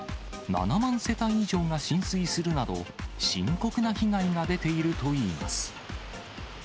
７万世帯以上が浸水するなど、深刻な被害が出ているといいます。